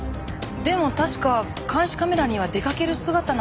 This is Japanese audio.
でも確か監視カメラには出かける姿なんて。